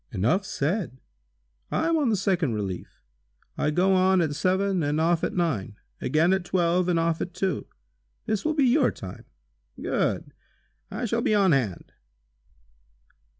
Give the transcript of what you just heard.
"Enough said. I am on the second relief. I go on at seven and off at nine; again at twelve and off at two. This will be your time." "Good! I shall be on hand!"